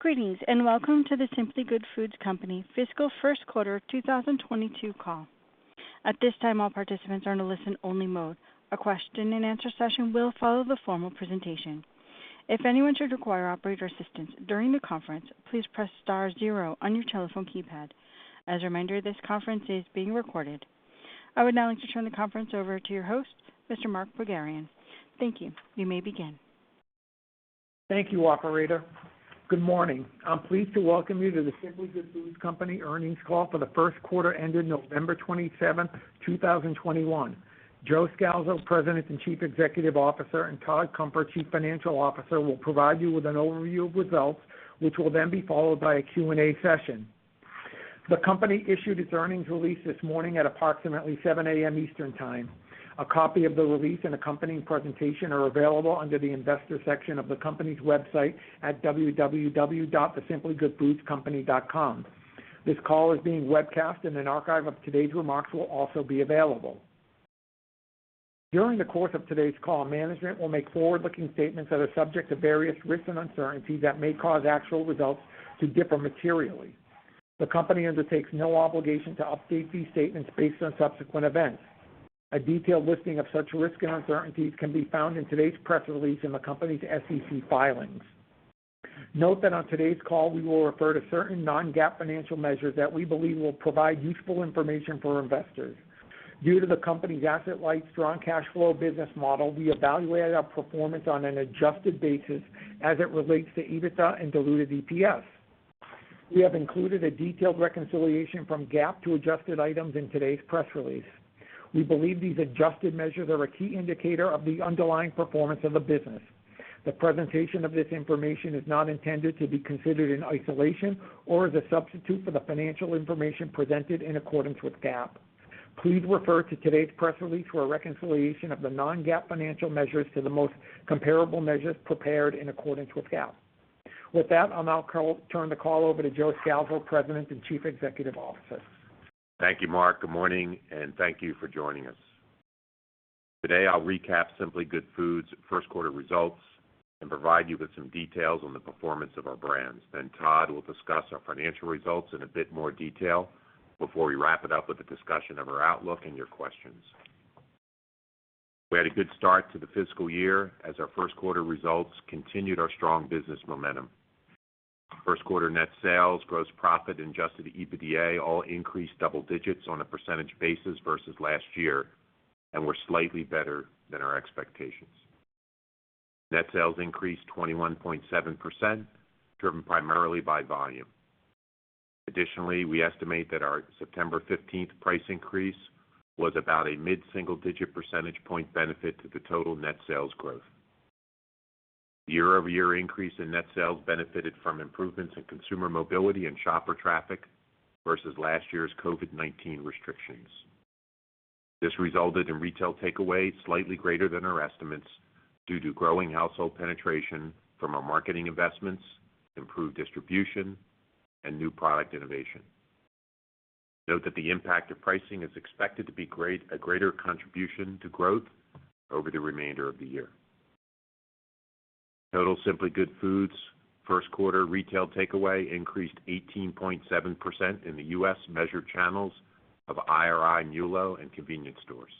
Greetings, and welcome to The Simply Good Foods Company fiscal Q1 2022 call. At this time, all participants are in a listen-only mode. A question and answer session will follow the formal presentation. If anyone should require operator assistance during the conference, please press star zero on your telephone keypad. As a reminder, this conference is being recorded. I would now like to turn the conference over to your host, Mr. Mark Pogharian. Thank you. You may begin. Thank you, operator. Good morning. I'm pleased to welcome you to The Simply Good Foods Company earnings call for the Q1 ended November 27th, 2021. Joe Scalzo, President and Chief Executive Officer, and Todd Cunfer, Chief Financial Officer, will provide you with an overview of results, which will then be followed by a Q&A session. The company issued its earnings release this morning at approximately 7 A.M. Eastern Time. A copy of the release and accompanying presentation are available under the investor section of the company's website at www.thesimplygoodfoodcompany.com. This call is being webcast, and an archive of today's remarks will also be available. During the course of today's call, management will make forward-looking statements that are subject to various risks and uncertainties that may cause actual results to differ materially. The company undertakes no obligation to update these statements based on subsequent events. A detailed listing of such risks and uncertainties can be found in today's press release in the company's SEC filings. Note that on today's call, we will refer to certain non-GAAP financial measures that we believe will provide useful information for investors. Due to the company's asset-light strong cash flow business model, we evaluate our performance on an adjusted basis as it relates to EBITDA and diluted EPS. We have included a detailed reconciliation from GAAP to adjusted items in today's press release. We believe these adjusted measures are a key indicator of the underlying performance of the business. The presentation of this information is not intended to be considered in isolation or as a substitute for the financial information presented in accordance with GAAP. Please refer to today's press release for a reconciliation of the non-GAAP financial measures to the most comparable measures prepared in accordance with GAAP. With that, I'll now turn the call over to Joe Scalzo, President and Chief Executive Officer. Thank you, Mark. Good morning, and thank you for joining us. Today, I'll recap Simply Good Foods Q1 results and provide you with some details on the performance of our brands. Then Todd will discuss our financial results in a bit more detail before we wrap it up with a discussion of our outlook and your questions. We had a good start to the fiscal year as our Q1 results continued our strong business momentum. Q1 net sales, gross profit, and adjusted EBITDA all increased double digits on a percentage basis versus last year and were slightly better than our expectations. Net sales increased 21.7%, driven primarily by volume. Additionally, we estimate that our September 15th price increase was about a mid-single digit percentage point benefit to the total net sales growth. Year-over-year increase in net sales benefited from improvements in consumer mobility and shopper traffic versus last year's COVID-19 restrictions. This resulted in retail takeaway slightly greater than our estimates due to growing household penetration from our marketing investments, improved distribution, and new product innovation. Note that the impact of pricing is expected to be greater contribution to growth over the remainder of the year. Total Simply Good Foods Q1 retail takeaway increased 18.7% in the U.S. measured channels of IRI, Nielsen, and convenience stores.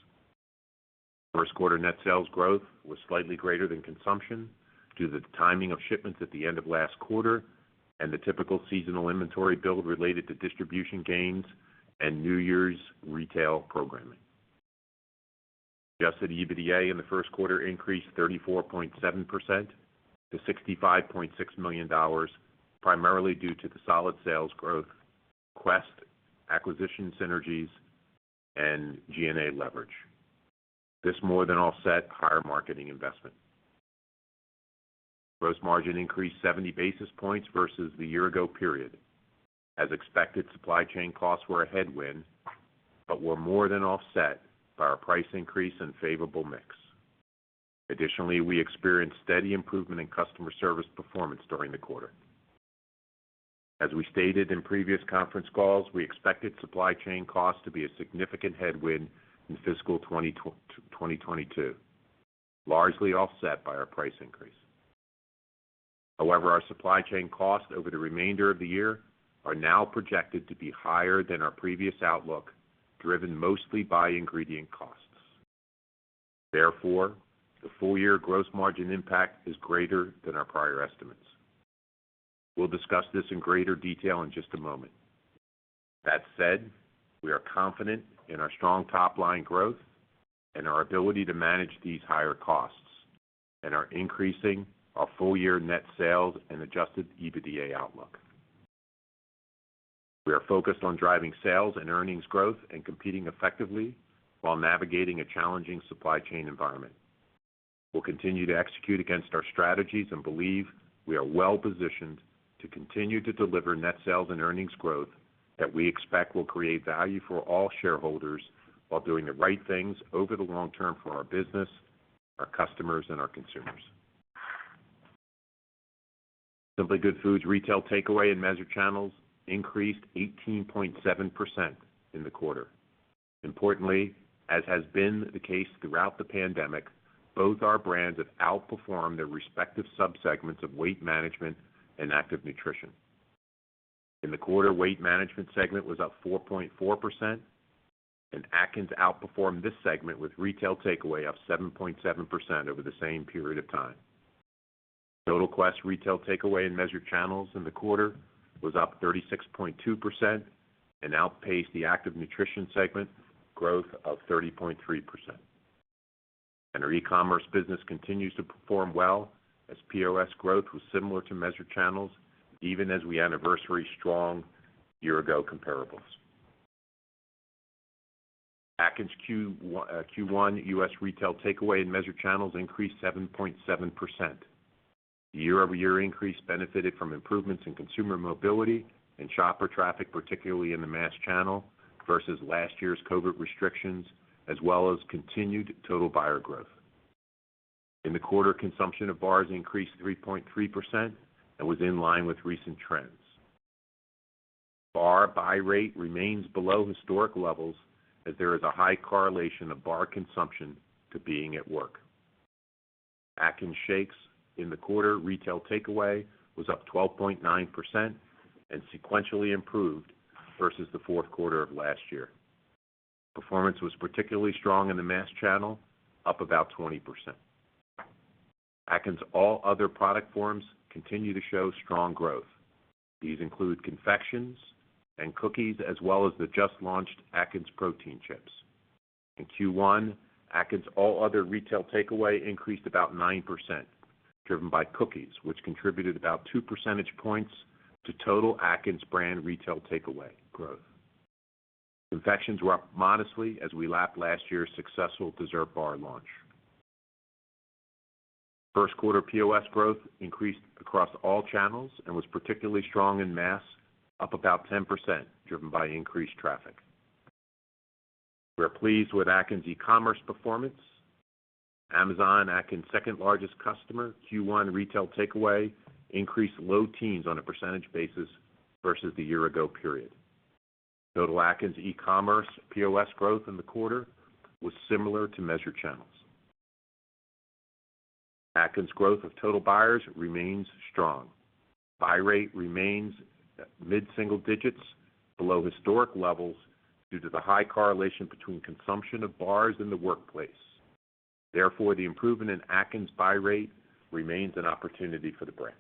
Q1 net sales growth was slightly greater than consumption due to the timing of shipments at the end of last quarter and the typical seasonal inventory build related to distribution gains and New Year's retail programming. Adjusted EBITDA in the Q1 increased 34.7% to $65.6 million, primarily due to the solid sales growth, Quest acquisition synergies, and G&A leverage. This more than offset higher marketing investment. Gross margin increased 70 basis points versus the year ago period. As expected, supply chain costs were a headwind, but were more than offset by our price increase and favorable mix. Additionally, we experienced steady improvement in customer service performance during the quarter. As we stated in previous conference calls, we expected supply chain costs to be a significant headwind in fiscal 2022, largely offset by our price increase. However, our supply chain costs over the remainder of the year are now projected to be higher than our previous outlook, driven mostly by ingredient costs. Therefore, the full year gross margin impact is greater than our prior estimates. We'll discuss this in greater detail in just a moment. That said, we are confident in our strong top-line growth and our ability to manage these higher costs, and are increasing our full year net sales and adjusted EBITDA outlook. We are focused on driving sales and earnings growth and competing effectively while navigating a challenging supply chain environment. We'll continue to execute against our strategies and believe we are well-positioned to continue to deliver net sales and earnings growth that we expect will create value for all shareholders while doing the right things over the long term for our business, our customers, and our consumers. Simply Good Foods retail takeaway in measured channels increased 18.7% in the quarter. Importantly, as has been the case throughout the pandemic, both our brands have outperformed their respective sub-segments of weight management and active nutrition. In the quarter, Weight Management segment was up 4.4% and Atkins outperformed this segment with retail takeaway of 7.7% over the same period of time. Total Quest retail takeaway in measured channels in the quarter was up 36.2% and outpaced the Active Nutrition segment growth of 30.3%. Our e-commerce business continues to perform well as POS growth was similar to measured channels even as we anniversary strong year-ago comparables. Atkins Q1 U.S. retail takeaway in measured channels increased 7.7%. Year-over-year increase benefited from improvements in consumer mobility and shopper traffic, particularly in the mass channel versus last year's COVID restrictions, as well as continued total buyer growth. In the quarter, consumption of bars increased 3.3% and was in line with recent trends. Bar buy rate remains below historic levels as there is a high correlation of bar consumption to being at work. Atkins Shakes in the quarter retail takeaway was up 12.9% and sequentially improved versus the Q4 of last year. Performance was particularly strong in the mass channel, up about 20%. Atkins all other product forms continue to show strong growth. These include confections and cookies, as well as the just launched Atkins protein chips. In Q1, Atkins all other retail takeaway increased about 9%, driven by cookies, which contributed about 2 percentage points to total Atkins brand retail takeaway growth. Confections were up modestly as we lapped last year's successful dessert bar launch. Q1 POS growth increased across all channels and was particularly strong in mass, up about 10%, driven by increased traffic. We're pleased with Atkins e-commerce performance. Amazon, Atkins' second-largest customer, Q1 retail takeaway increased low teens% on a percentage basis versus the year-ago period. Total Atkins e-commerce POS growth in the quarter was similar to measured channels. Atkins' growth of total buyers remains strong. Buy rate remains mid-single digits below historic levels due to the high correlation between consumption of bars in the workplace. Therefore, the improvement in Atkins buy rate remains an opportunity for the brand.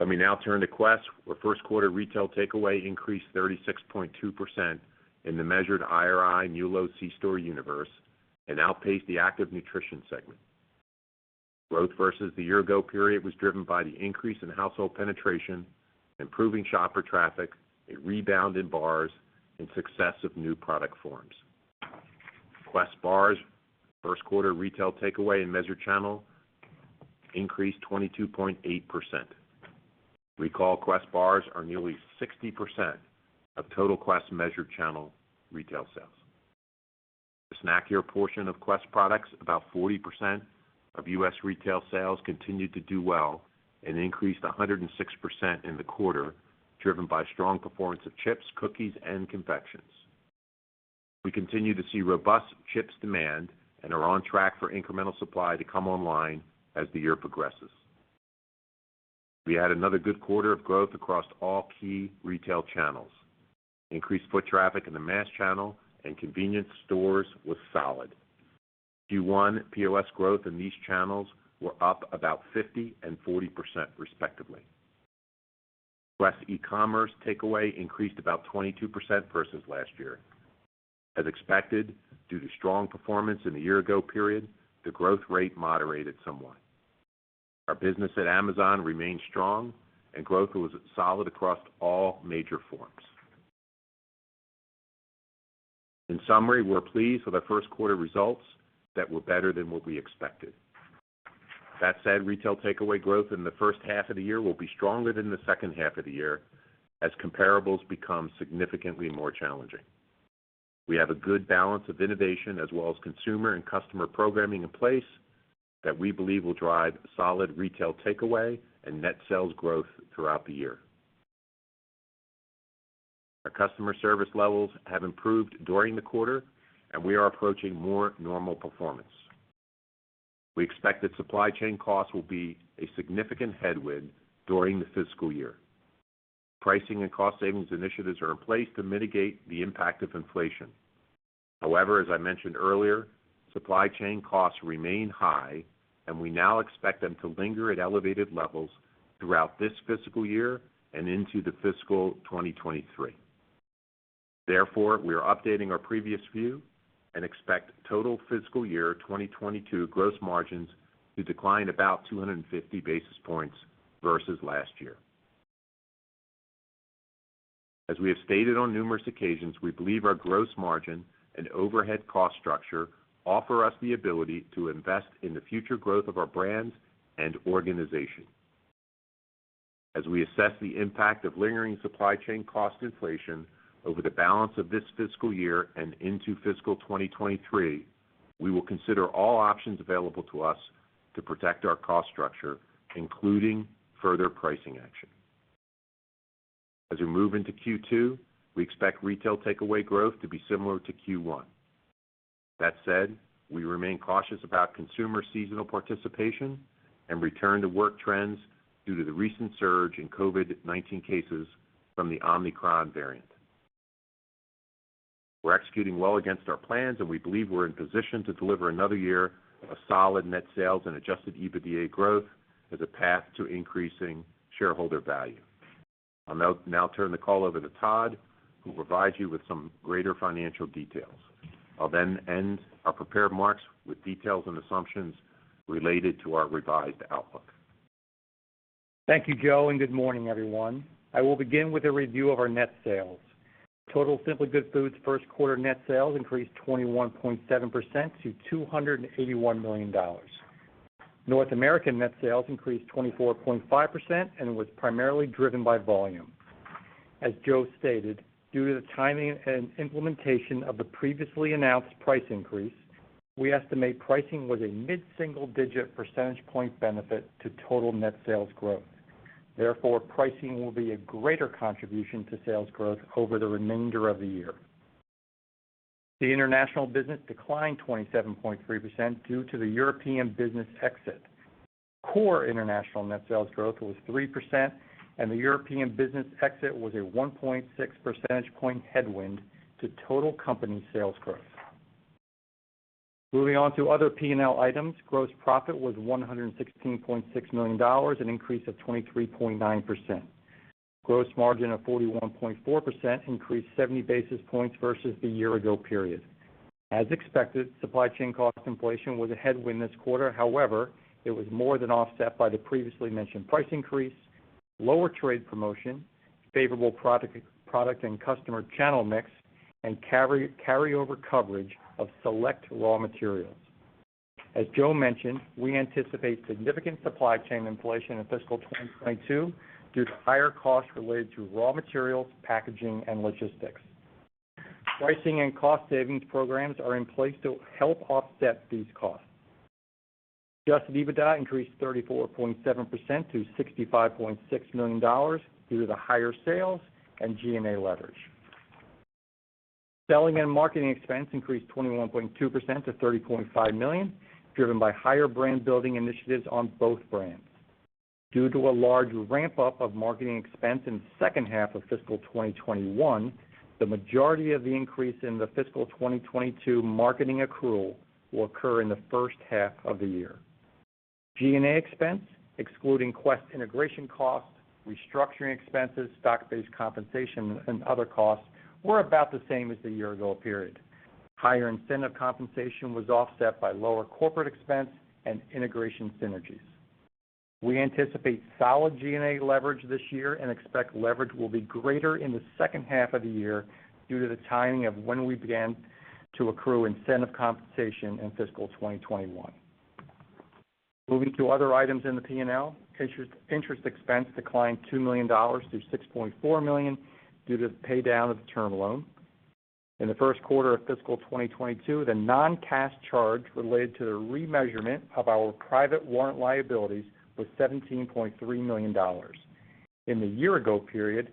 Let me now turn to Quest. Our Q1 retail takeaway increased 36.2% in the measured IRI Nielsen C-store universe and outpaced the active nutrition segment. Growth versus the year-ago period was driven by the increase in household penetration, improving shopper traffic, a rebound in bars, and success of new product forms. Quest bars Q1 retail takeaway in measured channel increased 22.8%. Recall Quest bars are nearly 60% of total Quest measured channel retail sales. The snackier portion of Quest products, about 40% of U.S. retail sales, continued to do well and increased 106% in the quarter, driven by strong performance of chips, cookies, and confections. We continue to see robust chips demand and are on track for incremental supply to come online as the year progresses. We had another good quarter of growth across all key retail channels. Increased foot traffic in the mass channel and convenience stores was solid. Q1 POS growth in these channels were up about 50% and 40% respectively. Quest e-commerce takeaway increased about 22% versus last year. As expected, due to strong performance in the year-ago period, the growth rate moderated somewhat. Our business at Amazon remained strong and growth was solid across all major forms. In summary, we're pleased with our Q1 results that were better than what we expected. That said, retail takeaway growth in the H1 of the year will be stronger than the H2 of the year as comparables become significantly more challenging. We have a good balance of innovation as well as consumer and customer programming in place that we believe will drive solid retail takeaway and net sales growth throughout the year. Our customer service levels have improved during the quarter, and we are approaching more normal performance. We expect that supply chain costs will be a significant headwind during the fiscal year. Pricing and cost savings initiatives are in place to mitigate the impact of inflation. However, as I mentioned earlier, supply chain costs remain high and we now expect them to linger at elevated levels throughout this fiscal year and into the fiscal 2023. Therefore, we are updating our previous view and expect total fiscal year 2022 gross margins to decline about 250 basis points versus last year. As we have stated on numerous occasions, we believe our gross margin and overhead cost structure offer us the ability to invest in the future growth of our brands and organization. As we assess the impact of lingering supply chain cost inflation over the balance of this fiscal year and into fiscal 2023, we will consider all options available to us to protect our cost structure, including further pricing action. As we move into Q2, we expect retail takeaway growth to be similar to Q1. That said, we remain cautious about consumer seasonal participation and return to work trends due to the recent surge in COVID-19 cases from the Omicron variant. We're executing well against our plans, and we believe we're in position to deliver another year of solid net sales and adjusted EBITDA growth as a path to increasing shareholder value. I'll now turn the call over to Todd, who will provide you with some greater financial details. I'll then end our prepared remarks with details and assumptions related to our revised outlook. Thank you, Joe, and good morning, everyone. I will begin with a review of our net sales. Total Simply Good Foods Q1 net sales increased 21.7% to $281 million. North American net sales increased 24.5% and was primarily driven by volume. As Joe stated, due to the timing and implementation of the previously announced price increase, we estimate pricing was a mid-single-digit percentage point benefit to total net sales growth. Therefore, pricing will be a greater contribution to sales growth over the remainder of the year. The international business declined 27.3% due to the European business exit. Core international net sales growth was 3%, and the European business exit was a 1.6 percentage point headwind to total company sales growth. Moving on to other P&L items. Gross profit was $116.6 million, an increase of 23.9%. Gross margin of 41.4% increased 70 basis points versus the year ago period. As expected, supply chain cost inflation was a headwind this quarter. However, it was more than offset by the previously mentioned price increase, lower trade promotion, favorable product and customer channel mix, and carryover coverage of select raw materials. As Joe mentioned, we anticipate significant supply chain inflation in fiscal 2022 due to higher costs related to raw materials, packaging, and logistics. Pricing and cost savings programs are in place to help offset these costs. Adjusted EBITDA increased 34.7% to $65.6 million due to the higher sales and G&A leverage. Selling and marketing expense increased 21.2% to $30.5 million, driven by higher brand building initiatives on both brands. Due to a large ramp-up of marketing expense in the H2 of fiscal 2021, the majority of the increase in the fiscal 2022 marketing accrual will occur in the H1 of the year. G&A expense, excluding Quest integration costs, restructuring expenses, stock-based compensation, and other costs, were about the same as the year-ago period. Higher incentive compensation was offset by lower corporate expense and integration synergies. We anticipate solid G&A leverage this year and expect leverage will be greater in the H2 of the year due to the timing of when we began to accrue incentive compensation in fiscal 2021. Moving to other items in the P&L. Interest expense declined $2 million to $6.4 million due to the pay down of the term loan. In the Q1 of fiscal 2022, the non-cash charge related to the remeasurement of our private warrant liabilities was $17.3 million. In the year ago period,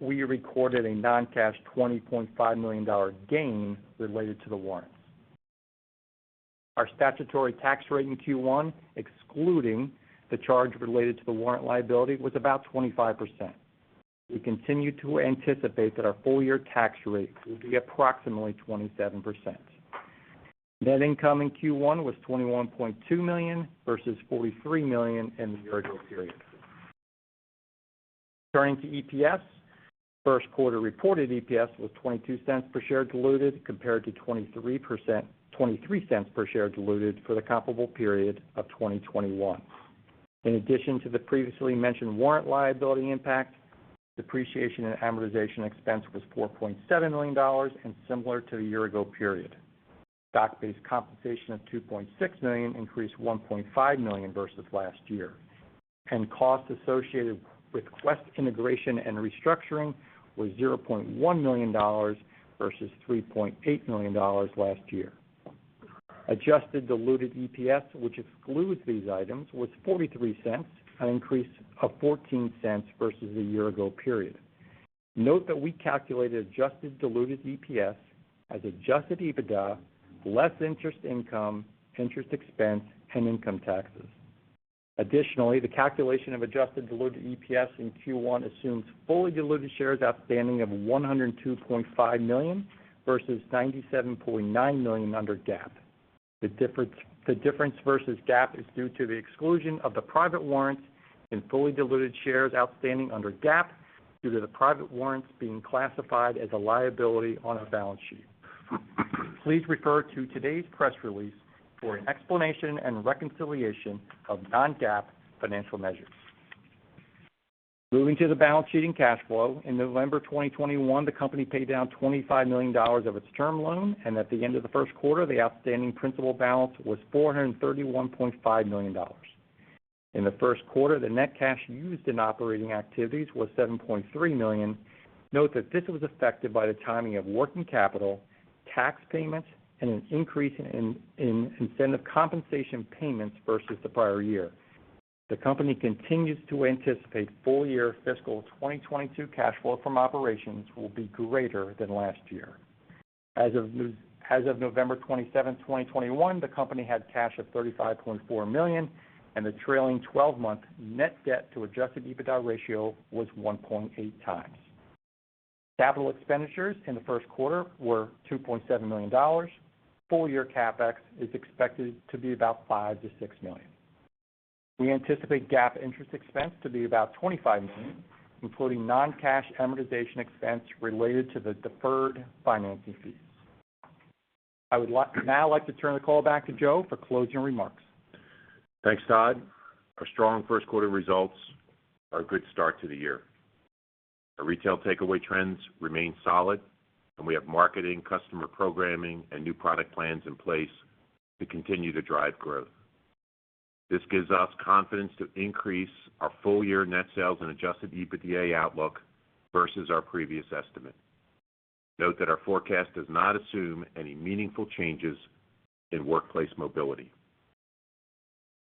we recorded a non-cash $20.5 million gain related to the warrants. Our statutory tax rate in Q1, excluding the charge related to the warrant liability, was about 25%. We continue to anticipate that our full year tax rate will be approximately 27%. Net income in Q1 was $21.2 million versus $43 million in the year ago period. Turning to EPS. Q1 reported EPS was 22 cents per share diluted compared to 23 cents per share diluted for the comparable period of 2021. In addition to the previously mentioned warrant liability impact, depreciation and amortization expense was $4.7 million and similar to the year ago period. Stock-based compensation of $2.6 million increased $1.5 million versus last year, and costs associated with Quest integration and restructuring was $0.1 million versus $3.8 million last year. Adjusted diluted EPS, which excludes these items, was $0.43, an increase of $0.14 versus the year ago period. Note that we calculated adjusted diluted EPS as adjusted EBITDA, less interest income, interest expense, and income taxes. Additionally, the calculation of adjusted diluted EPS in Q1 assumes fully diluted shares outstanding of 102.5 million versus 97.9 million under GAAP. The difference versus GAAP is due to the exclusion of the private warrants in fully diluted shares outstanding under GAAP due to the private warrants being classified as a liability on our balance sheet. Please refer to today's press release for an explanation and reconciliation of non-GAAP financial measures. Moving to the balance sheet and cash flow. In November 2021, the company paid down $25 million of its term loan, and at the end of the Q1, the outstanding principal balance was $431.5 million. In the Q1, the net cash used in operating activities was $7.3 million. Note that this was affected by the timing of working capital, tax payments, and an increase in incentive compensation payments versus the prior year. The company continues to anticipate full-year fiscal 2022 cash flow from operations will be greater than last year. As of November 27th, 2021, the company had cash of $35.4 million, and the trailing 12-month net debt to adjusted EBITDA ratio was 1.8x. Capital expenditures in the Q1 were $2.7 million. Full-year CapEx is expected to be about $5 million-$6 million. We anticipate GAAP interest expense to be about $25 million, including non-cash amortization expense related to the deferred financing fees. I would like to turn the call back to Joe for closing remarks. Thanks, Todd. Our strong Q1 results are a good start to the year. Our retail takeaway trends remain solid, and we have marketing, customer programming, and new product plans in place to continue to drive growth. This gives us confidence to increase our full-year net sales and adjusted EBITDA outlook versus our previous estimate. Note that our forecast does not assume any meaningful changes in workplace mobility.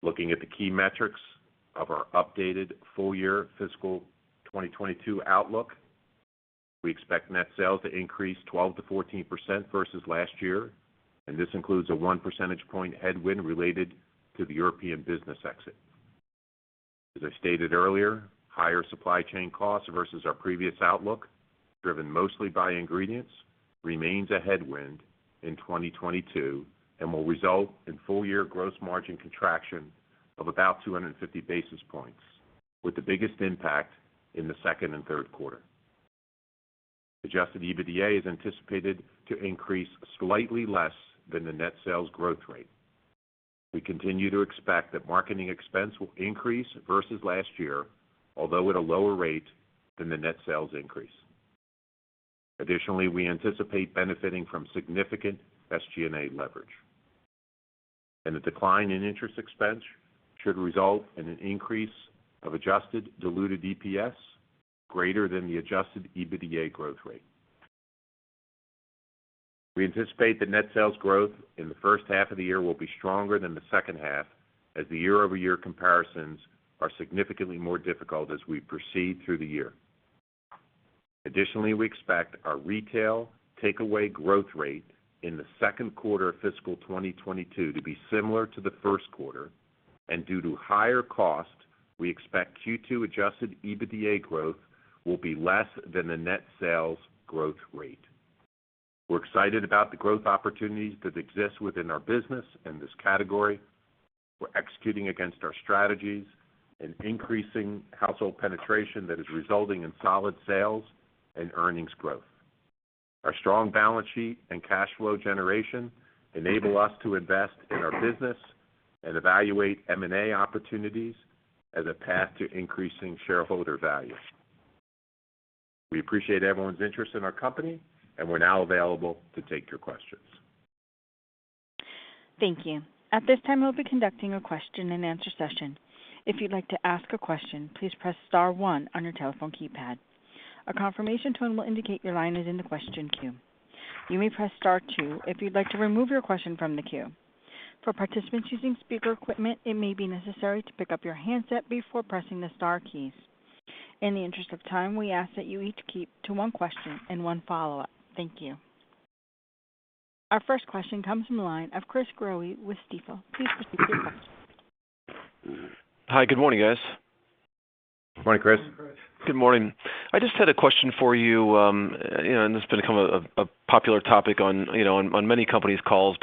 Looking at the key metrics of our updated full-year fiscal 2022 outlook, we expect net sales to increase 12%-14% versus last year, and this includes a 1 percentage point headwind related to the European business exit. As I stated earlier, higher supply chain costs versus our previous outlook, driven mostly by ingredients, remains a headwind in 2022 and will result in full-year gross margin contraction of about 250 basis points, with the biggest impact in the second and Q3. Adjusted EBITDA is anticipated to increase slightly less than the net sales growth rate. We continue to expect that marketing expense will increase versus last year, although at a lower rate than the net sales increase. Additionally, we anticipate benefiting from significant SG&A leverage. The decline in interest expense should result in an increase of adjusted diluted EPS greater than the adjusted EBITDA growth rate. We anticipate the net sales growth in the H1 of the year will be stronger than the H2 as the year-over-year comparisons are significantly more difficult as we proceed through the year. Additionally, we expect our retail takeaway growth rate in the Q2 of fiscal 2022 to be similar to the Q1. Due to higher costs, we expect Q2 adjusted EBITDA growth will be less than the net sales growth rate. We're excited about the growth opportunities that exist within our business and this category. We're executing against our strategies and increasing household penetration that is resulting in solid sales and earnings growth. Our strong balance sheet and cash flow generation enable us to invest in our business and evaluate M&A opportunities as a path to increasing shareholder value. We appreciate everyone's interest in our company, and we're now available to take your questions. Thank you. At this time, we'll be conducting a question-and-answer session. If you'd like to ask a question, please press star one on your telephone keypad. A confirmation tone will indicate your line is in the question queue. You may press star two if you'd like to remove your question from the queue. For participants using speaker equipment, it may be necessary to pick up your handset before pressing the star keys. In the interest of time, we ask that you each keep to one question and one follow-up. Thank you. Our first question comes from the line of Chris Growe with Stifel. Please proceed with your question. Hi, good morning, guys. Morning, Chris. Morning, Chris. Good morning. I just had a question for you know, and it's been kind of a popular topic on, you know, on many companies' calls.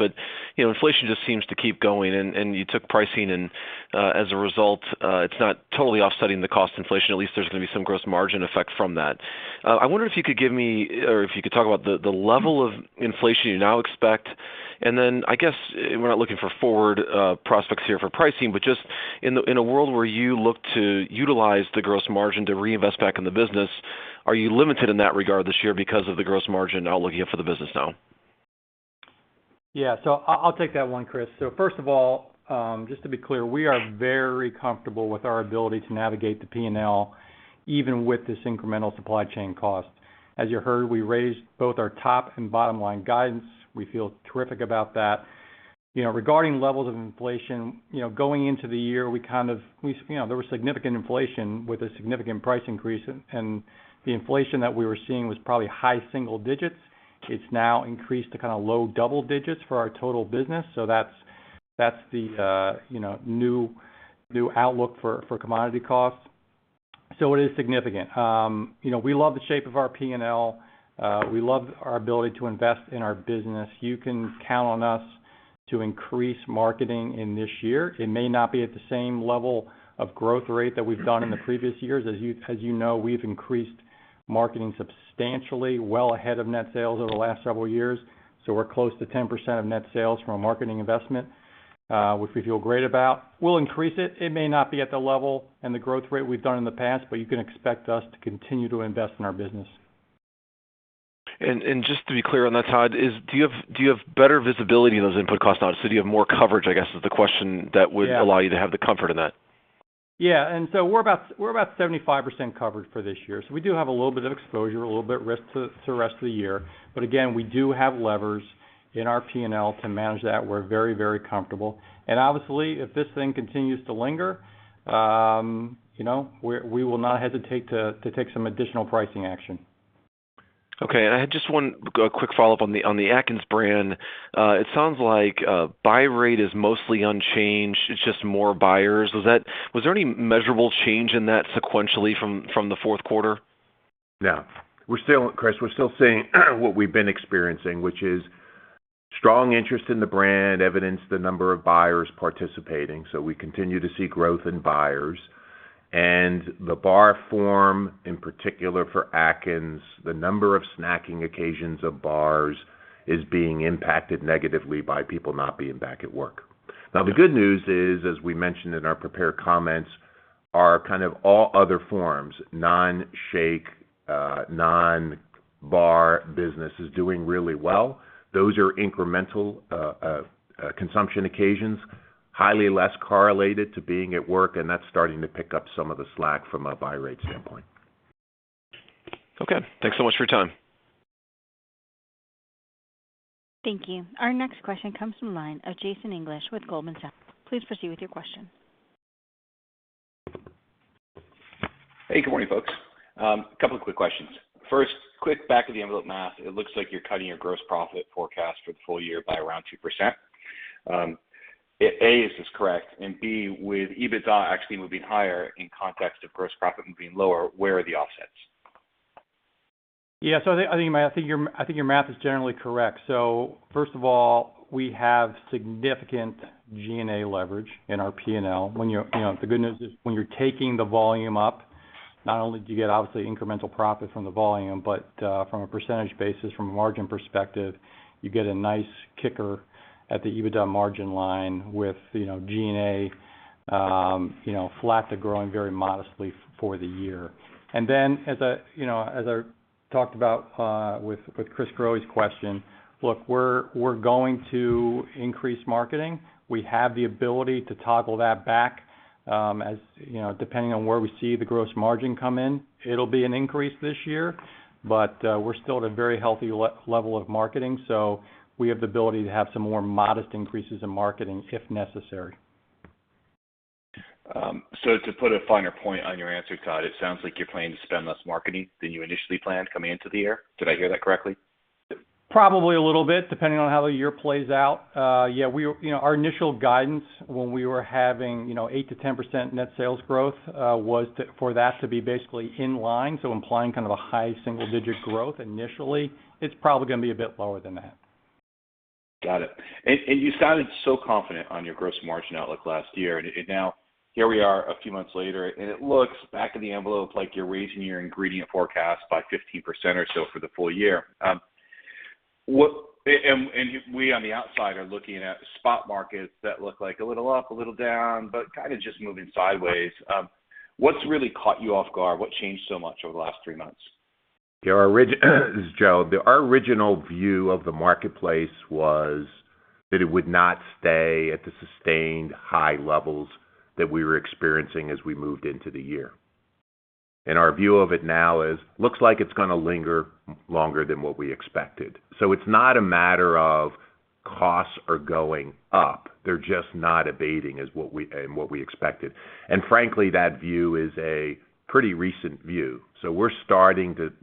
You know, inflation just seems to keep going and you took pricing and as a result it's not totally offsetting the cost inflation. At least there's gonna be some gross margin effect from that. I wonder if you could give me or if you could talk about the level of inflation you now expect. Then I guess we're not looking for forward prospects here for pricing, but just in a world where you look to utilize the gross margin to reinvest back in the business, are you limited in that regard this year because of the gross margin outlook you have for the business now? Yeah. I'll take that one, Chris. First of all, just to be clear, we are very comfortable with our ability to navigate the P&L even with this incremental supply chain cost. As you heard, we raised both our top and bottom-line guidance. We feel terrific about that. You know, regarding levels of inflation, you know, going into the year, we kind of you know, there was significant inflation with a significant price increase, and the inflation that we were seeing was probably high single digits. It's now increased to kind of low double digits for our total business. That's the, you know, new outlook for commodity costs. It is significant. You know, we love the shape of our P&L. We love our ability to invest in our business. You can count on us to increase marketing in this year. It may not be at the same level of growth rate that we've done in the previous years. As you know, we've increased marketing substantially well ahead of net sales over the last several years. We're close to 10% of net sales from a marketing investment, which we feel great about. We'll increase it. It may not be at the level and the growth rate we've done in the past, but you can expect us to continue to invest in our business. Just to be clear on that, Todd, is do you have better visibility in those input costs now? Do you have more coverage, I guess, is the question that would- Yeah. allow you to have the comfort in that? Yeah. We're about 75% covered for this year. We do have a little bit of exposure, a little bit of risk to the rest of the year. Again, we do have levers in our P&L to manage that. We're very comfortable. Obviously, if this thing continues to linger, you know, we will not hesitate to take some additional pricing action. Okay. I had just one quick follow-up on the Atkins brand. It sounds like buy rate is mostly unchanged, it's just more buyers. Was there any measurable change in that sequentially from the Q4? No. Chris, we're still seeing what we've been experiencing, which is strong interest in the brand, evidenced by the number of buyers participating. We continue to see growth in buyers. The bar form, in particular for Atkins, the number of snacking occasions of bars is being impacted negatively by people not being back at work. Now, the good news is, as we mentioned in our prepared comments, our kind of all other forms, non-shake, non-bar business is doing really well. Those are incremental consumption occasions, highly less correlated to being at work, and that's starting to pick up some of the slack from a buy rate standpoint. Okay. Thanks so much for your time. Thank you. Our next question comes from the line of Jason English with Goldman Sachs. Please proceed with your question. Hey, good morning, folks. A couple of quick questions. First, quick back of the envelope math, it looks like you're cutting your gross profit forecast for the full year by around 2%. A, is this correct? And B, with EBITDA actually moving higher in context of gross profit moving lower, where are the offsets? Yeah. I think your math is generally correct. First of all, we have significant G&A leverage in our P&L. You know, the good news is when you're taking the volume up, not only do you get obviously incremental profit from the volume, but from a percentage basis, from a margin perspective, you get a nice kicker at the EBITDA margin line with, you know, G&A, you know, flat to growing very modestly for the year. Then as I, you know, as I talked about, with Chris Growe's question, look, we're going to increase marketing. We have the ability to toggle that back, as, you know, depending on where we see the gross margin come in. It'll be an increase this year, but we're still at a very healthy level of marketing, so we have the ability to have some more modest increases in marketing if necessary. To put a finer point on your answer, Todd, it sounds like you're planning to spend less marketing than you initially planned coming into the year. Did I hear that correctly? Probably a little bit, depending on how the year plays out. Yeah, you know, our initial guidance when we were having, you know, 8%-10% net sales growth, was for that to be basically in line, so implying kind of a high single-digit growth initially. It's probably gonna be a bit lower than that. Got it. You sounded so confident on your gross margin outlook last year. Now here we are a few months later, and it looks back of the envelope, like you're raising your ingredient forecast by 15% or so for the full year. We on the outside are looking at spot markets that look like a little up, a little down, but kind of just moving sideways. What's really caught you off guard? What changed so much over the last three months? Yeah. This is Joe. Our original view of the marketplace was that it would not stay at the sustained high levels that we were experiencing as we moved into the year. Our view of it now is, looks like it's gonna linger longer than what we expected. It's not a matter of costs are going up. They're just not abating as what we expected. Frankly, that view is a pretty recent view. We're starting to.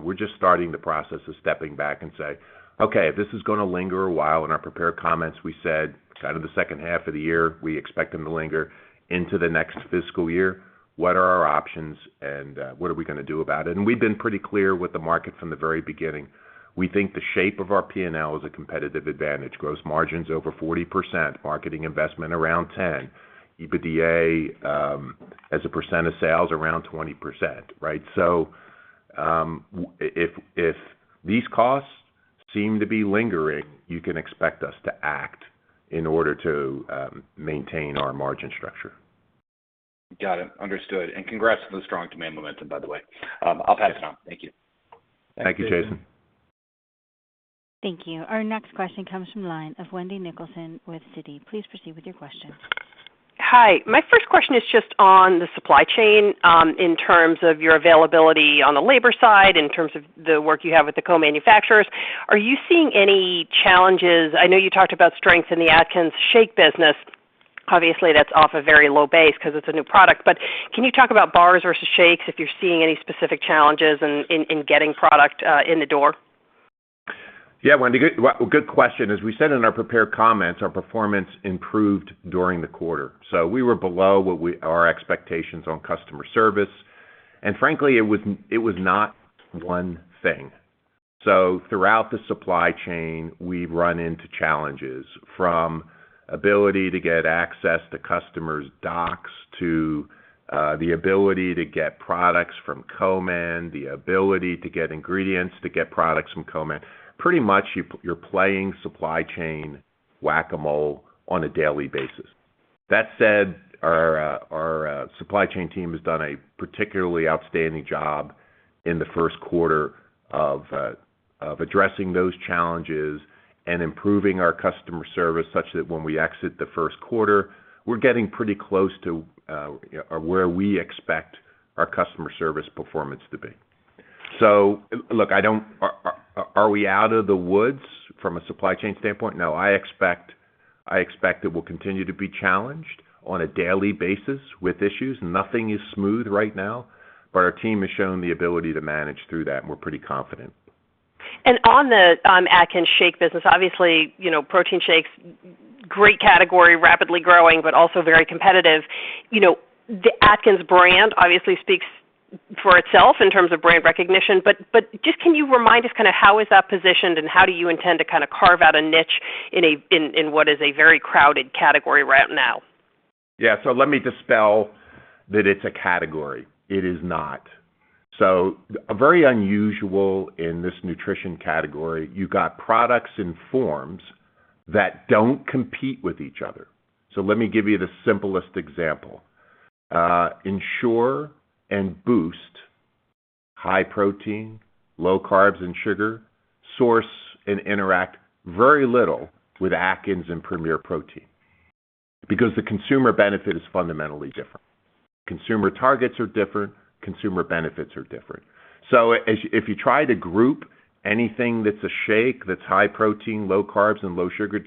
We're just starting the process of stepping back and say, "Okay, if this is gonna linger a while." In our prepared comments, we said kind of the H2 of the year, we expect them to linger into the next fiscal year, "what are our options, and what are we gonna do about it?" We've been pretty clear with the market from the very beginning. We think the shape of our P&L is a competitive advantage. Gross margin's over 40%, marketing investment around 10%, EBITDA as a percent of sales around 20%, right? If these costs seem to be lingering, you can expect us to act in order to maintain our margin structure. Got it. Understood. Congrats on the strong demand momentum, by the way. I'll pass it on. Thank you. Thank you, Jason. Thank you. Our next question comes from the line of Wendy Nicholson with Citi. Please proceed with your question. Hi. My first question is just on the supply chain, in terms of your availability on the labor side, in terms of the work you have with the co-manufacturers. Are you seeing any challenges? I know you talked about strength in the Atkins shake business. Obviously, that's off a very low base because it's a new product. Can you talk about bars versus shakes, if you're seeing any specific challenges in getting product in the door? Yeah, Wendy. Good question. As we said in our prepared comments, our performance improved during the quarter. We were below our expectations on customer service. Frankly, it was not one thing. Throughout the supply chain, we've run into challenges from ability to get access to customers' docks, to the ability to get products from co-man, the ability to get ingredients to get products from co-man. Pretty much you're playing supply chain whack-a-mole on a daily basis. That said, our supply chain team has done a particularly outstanding job in the Q1 of addressing those challenges and improving our customer service such that when we exit the Q1, we're getting pretty close to or where we expect our customer service performance to be. Look, I don't. Are we out of the woods from a supply chain standpoint? No, I expect it will continue to be challenged on a daily basis with issues. Nothing is smooth right now, but our team has shown the ability to manage through that, and we're pretty confident. On the Atkins shake business, obviously, you know, protein shakes, great category, rapidly growing, but also very competitive. You know, the Atkins brand obviously speaks for itself in terms of brand recognition, but just can you remind us kind of how is that positioned and how do you intend to kinda carve out a niche in a very crowded category right now? Yeah. Let me dispel that it's a category. It is not. It's a very unusual in this nutrition category, you got products and forms that don't compete with each other. Let me give you the simplest example. Ensure and Boost, high protein, low carbs and low sugar, so they interact very little with Atkins and Premier Protein because the consumer benefit is fundamentally different. Consumer targets are different, consumer benefits are different. If you try to group anything that's a shake, that's high protein, low carbs and low sugar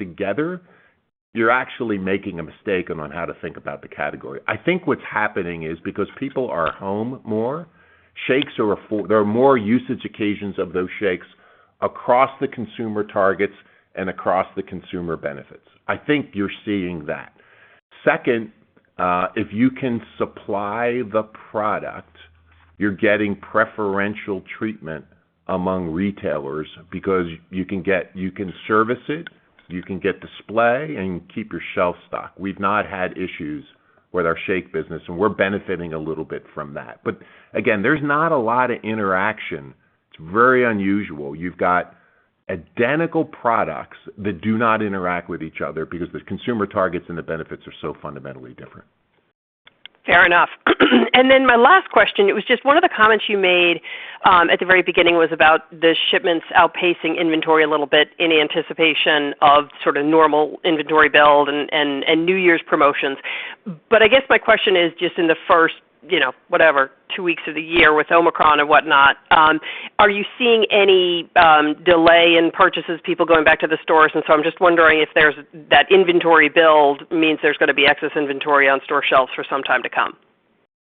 together, you're actually making a mistake on how to think about the category. I think what's happening is because people are home more, shakes, there are more usage occasions of those shakes across the consumer targets and across the consumer benefits. I think you're seeing that. Second, if you can supply the product, you're getting preferential treatment among retailers because you can service it, you can get display, and keep your shelf stocked. We've not had issues with our shake business, and we're benefiting a little bit from that. Again, there's not a lot of interaction. It's very unusual. You've got identical products that do not interact with each other because the consumer targets and the benefits are so fundamentally different. Fair enough. Then my last question, it was just one of the comments you made at the very beginning was about the shipments outpacing inventory a little bit in anticipation of sort of normal inventory build and New Year's promotions. I guess my question is just in the first, you know, whatever, two weeks of the year with Omicron and whatnot, are you seeing any delay in purchases, people going back to the stores? I'm just wondering if there's that inventory build means there's gonna be excess inventory on store shelves for some time to come.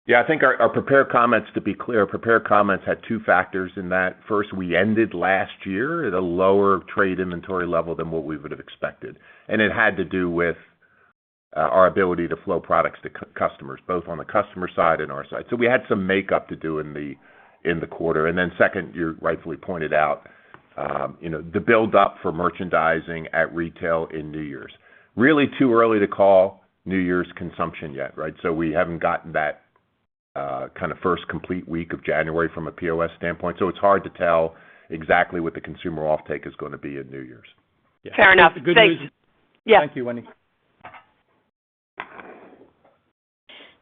Yeah. I think our prepared comments, to be clear, had two factors in that. First, we ended last year at a lower trade inventory level than what we would've expected, and it had to do with our ability to flow products to customers, both on the customer side and our side. We had some makeup to do in the quarter. Second, you rightfully pointed out, you know, the build up for merchandising at retail in New Year's. Really too early to call New Year's consumption yet, right? We haven't gotten that kind of first complete week of January from a POS standpoint, so it's hard to tell exactly what the consumer offtake is gonna be in New Year's. Yeah. Fair enough. Thanks. Good news. Yeah. Thank you, Wendy.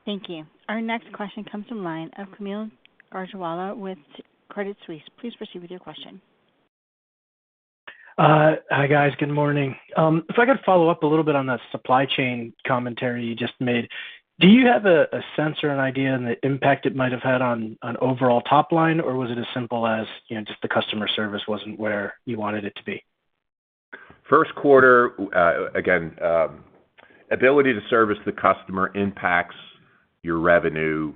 Thank you. Our next question comes from the line of Kaumil Gajrawala with Credit Suisse. Please proceed with your question. Hi, guys. Good morning. If I could follow up a little bit on the supply chain commentary you just made. Do you have a sense or an idea on the impact it might have had on overall top line, or was it as simple as, you know, just the customer service wasn't where you wanted it to be? Q1, again, ability to service the customer impacts your revenue,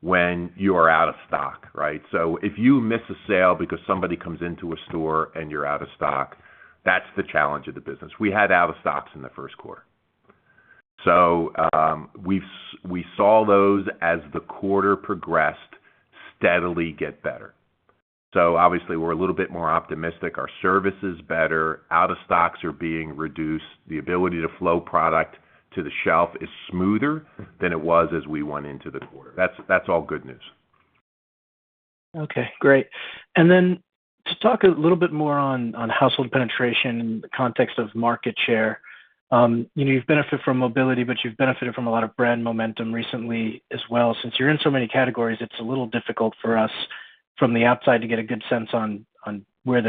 when you are out of stock, right? If you miss a sale because somebody comes into a store and you're out of stock, that's the challenge of the business. We had out of stocks in the Q1. We saw those as the quarter progressed steadily get better. Obviously we're a little bit more optimistic. Our service is better. Out of stocks are being reduced. The ability to flow product to the shelf is smoother than it was as we went into the quarter. That's all good news. Okay, great. To talk a little bit more on household penetration in the context of market share, you know, you've benefited from mobility, but you've benefited from a lot of brand momentum recently as well. Since you're in so many categories, it's a little difficult for us from the outside to get a good sense on where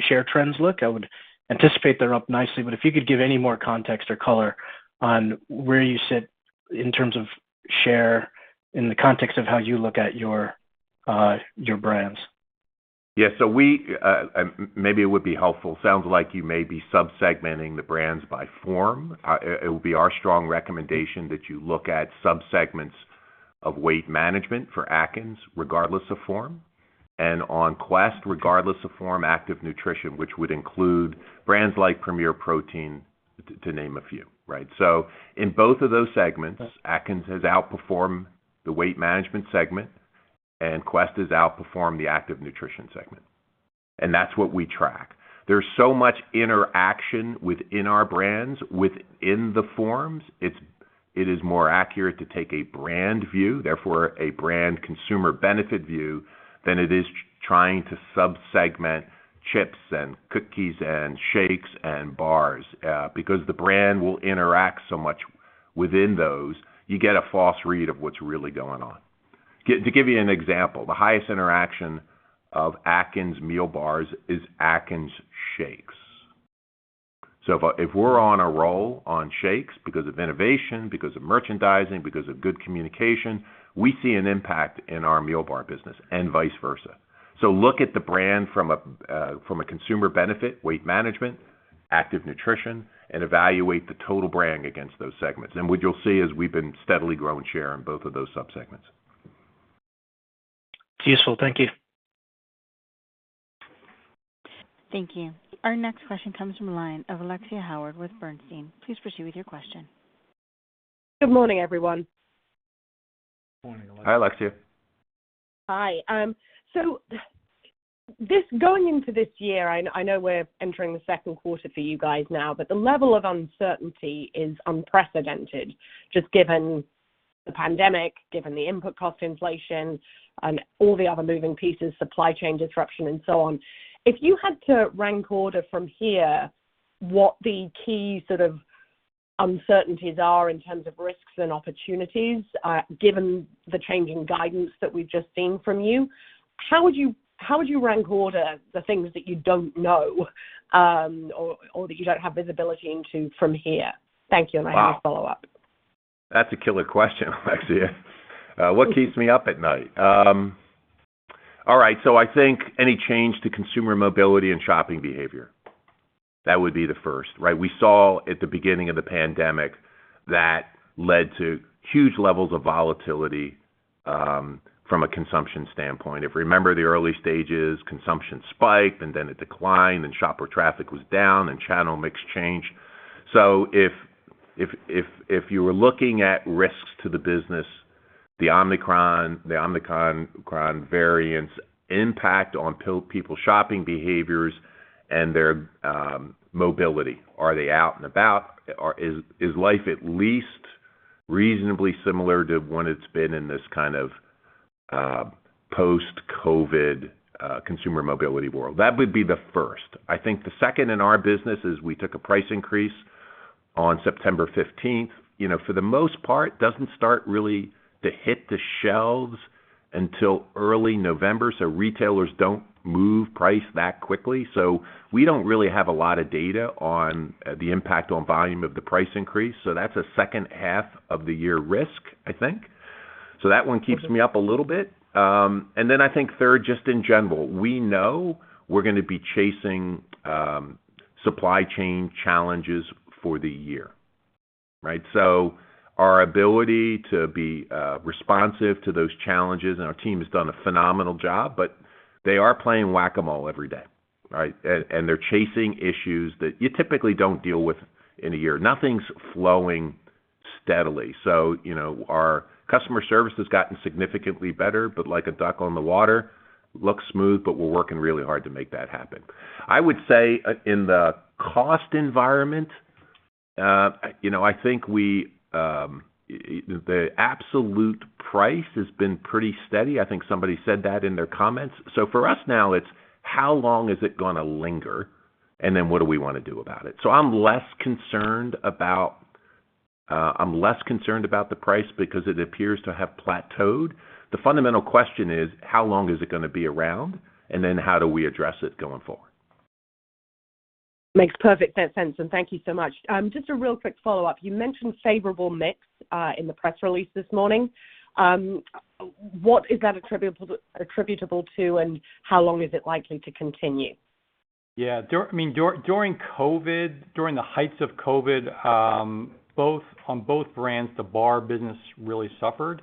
share trends look. I would anticipate they're up nicely, but if you could give any more context or color on where you sit in terms of share in the context of how you look at your brands. Yeah. Maybe it would be helpful. Sounds like you may be sub-segmenting the brands by form. It will be our strong recommendation that you look at sub-segments of weight management for Atkins regardless of form and on Quest, regardless of form, active nutrition, which would include brands like Premier Protein, to name a few, right? In both of those segments- Right. Atkins has outperformed the weight management segment, and Quest has outperformed the active nutrition segment. That's what we track. There's so much interaction within our brands, within the forms. It is more accurate to take a brand view, therefore a brand consumer benefit view than it is trying to sub-segment chips and cookies and shakes and bars. Because the brand will interact so much within those, you get a false read of what's really going on. To give you an example, the highest interaction of Atkins meal bars is Atkins shakes. If we're on a roll on shakes because of innovation, because of merchandising, because of good communication, we see an impact in our meal bar business and vice versa. Look at the brand from a consumer benefit, weight management, active nutrition, and evaluate the total brand against those segments. What you'll see is we've been steadily growing share in both of those subsegments. Useful. Thank you. Thank you. Our next question comes from the line of Alexia Howard with Bernstein. Please proceed with your question. Good morning, everyone. Morning, Alexia. Hi, Alexia. Hi. Going into this year, I know we're entering the Q2 for you guys now, but the level of uncertainty is unprecedented. Just given the pandemic, given the input cost inflation and all the other moving pieces, supply chain disruption and so on. If you had to rank order from here what the key sort of uncertainties are in terms of risks and opportunities, given the change in guidance that we've just seen from you, how would you rank order the things that you don't know, or that you don't have visibility into from here? Thank you. Wow. I have a follow-up. That's a killer question, Alexia. What keeps me up at night? All right, so I think any change to consumer mobility and shopping behavior, that would be the first, right? We saw at the beginning of the pandemic, that led to huge levels of volatility, from a consumption standpoint. If you remember the early stages, consumption spiked and then it declined, and shopper traffic was down and channel mix changed. If you were looking at risks to the business, the Omicron variant's impact on people's shopping behaviors and their mobility. Are they out and about? Or is life at least reasonably similar to when it's been in this kind of post-COVID consumer mobility world? That would be the first. I think the second in our business is we took a price increase on September 15th. You know, for the most part, it doesn't start really to hit the shelves until early November, so retailers don't move price that quickly. We don't really have a lot of data on the impact on volume of the price increase. That's a H2 of the year risk, I think. That one keeps me up a little bit. And then I think third, just in general, we know we're gonna be chasing supply chain challenges for the year, right? Our ability to be responsive to those challenges, and our team has done a phenomenal job, but they are playing whack-a-mole every day, right? And they're chasing issues that you typically don't deal with in a year. Nothing's flowing steadily. You know, our customer service has gotten significantly better, but like a duck on the water, looks smooth, but we're working really hard to make that happen. I would say in the cost environment, you know, I think we, the absolute price has been pretty steady. I think somebody said that in their comments. For us now, it's how long is it gonna linger, and then what do we wanna do about it? I'm less concerned about the price because it appears to have plateaued. The fundamental question is how long is it gonna be around, and then how do we address it going forward? Makes perfect sense. Thank you so much. Just a real quick follow-up. You mentioned favorable mix in the press release this morning. What is that attributable to, and how long is it likely to continue? Yeah. During COVID, during the heights of COVID, on both brands, the bar business really suffered.